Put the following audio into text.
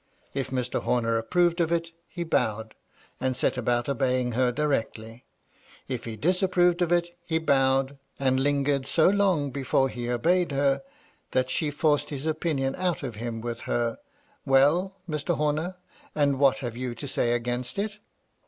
If Mr. Homer approved of it, he bowed, and set about obeying her directly ; if he disapproved of it, he bowed, and lingered so long before he obeyed her, that she forced his opinion out of him with her " Well, Mr. Homer ! and what have you to say against it?"